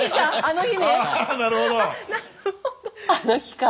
あの日か。